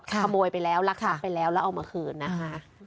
ขโมยไปแล้วรักทรัพย์ไปแล้วแล้วเอามาคืนนะคะ